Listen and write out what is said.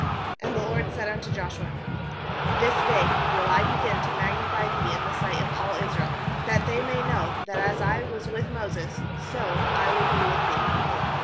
7And the LORD said unto Joshua: 'This day will I begin to magnify thee hi the sight of all Israel, that they may know that, as I was with Moses, so I will be with thee.